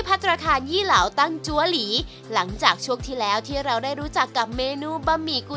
พัฒนธ์ทางยี่เหล่าตั้งจัวหลีหลังจากช่วงที่แล้วที่เราได้รู้จักกับแมนูบะหมี่กุ้ยชายราดหน้าเนื้อกวาง